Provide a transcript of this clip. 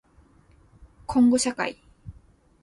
こんごしゃかい